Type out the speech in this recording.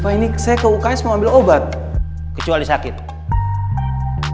berhenti lihat saya mau ambil obat di uks saya mau ambil obat including the toilet cuma saya ingin membeli obat